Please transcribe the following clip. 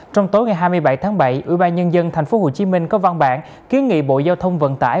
trong tối ngày hai mươi bảy tháng bảy ủy ban nhân dân tp hcm có văn bản kiến nghị bộ giao thông vận tải